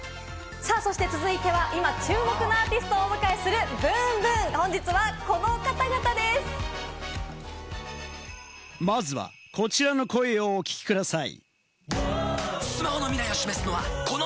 続いては今、注目のアーティストをお迎えするｂｏｏｍｂｏｏｍ、まずはこちらの声をお聞きください。